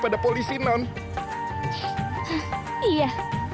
pada polisi non iya